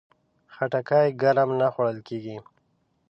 خټکی ګرم نه خوړل کېږي.